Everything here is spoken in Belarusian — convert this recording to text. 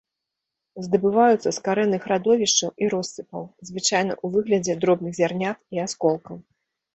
Здабываюцца з карэнных радовішчаў і россыпаў, звычайна ў выглядзе дробных зярнят і асколкаў.